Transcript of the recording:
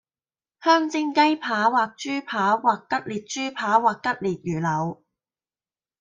香煎雞扒或豬扒或吉列豬扒或吉列魚柳